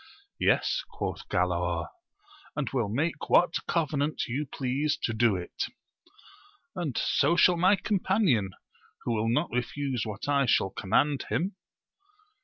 Yes, quoth Galaor, and will make what covenant you please to do it ; and so shall my com panion, who will not refuse what I shall command him.